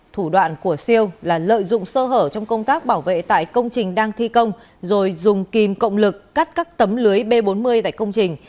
thủ đoạn của siêu là lợi dụng sơ hở trong công tác bảo vệ tại công trình đang thi công rồi dùng kìm cộng lực cắt các tấm lưới b bốn mươi tại công trình